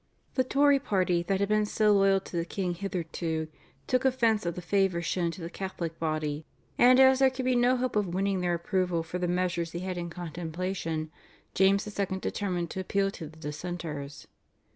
The Tory party that had been so loyal to the king hitherto, took offence at the favour shown to the Catholic body, and as there could be no hope of winning their approval for the measures he had in contemplation, James II. determined to appeal to the Dissenters.